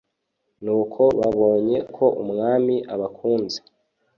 nuko babonye ko umwami abakunze